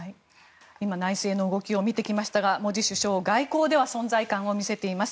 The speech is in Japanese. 今、内政の動きを見てきましたがモディ首相外交では存在感を見せています。